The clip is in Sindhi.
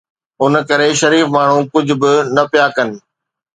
ان ڪري شريف ماڻهو ڪجهه به نه پيا ڪن.